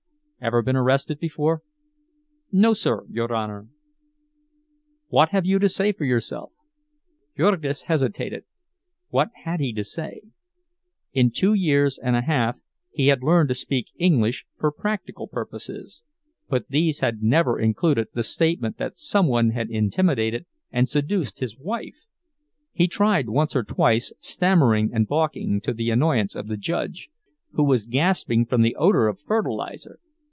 "Ever been arrested before?" "No, sir, your Honor." "What have you to say for yourself?" Jurgis hesitated. What had he to say? In two years and a half he had learned to speak English for practical purposes, but these had never included the statement that some one had intimidated and seduced his wife. He tried once or twice, stammering and balking, to the annoyance of the judge, who was gasping from the odor of fertilizer.